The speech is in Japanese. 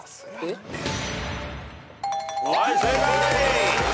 はい正解。